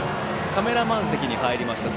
カメラマン席に入りました。